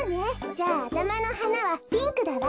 じゃああたまのはなはピンクだわ。